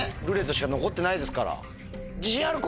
「ルーレット」しか残ってないですから。